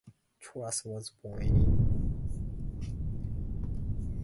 Truss was born in the region of Kingaroy, Queensland.